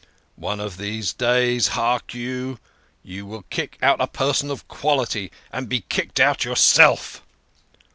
One of these days hark you ! you will kick out a person of quality, and be kicked out yourself."